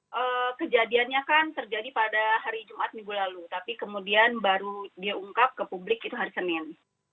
ya kejadiannya kan terjadi pada hari jumat minggu lalu tapi kemudian baru dia ungkap ke publik itu hari senin